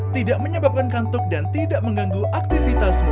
tidak menyebabkan kantuk dan tidak mengganggu aktivitasmu